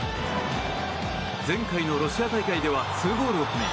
前回のロシア大会では２ゴールを決め